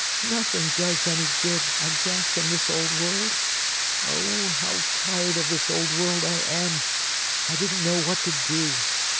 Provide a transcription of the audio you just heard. "Nothing does any good, I guess, in this old world. Oh, how tired of this old world I am! I didn't know what to do.